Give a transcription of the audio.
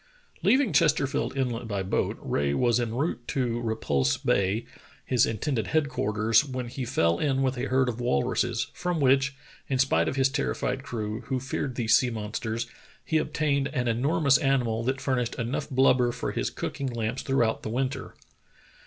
Leaving Chesterfield Inlet by boat, Rae was en route to Repulse Bay, his intended head quarters, when he fell in with a herd of walruses, from which, in spite of his terrified crew, who feared these sea monsters, he obtained an enormous animal that furnished enough blubber for his cooking lamps throughout the winter.